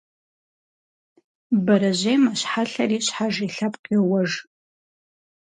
Бэрэжьей мэщхьэлъэри щхьэж и лъэпкъ йоуэж.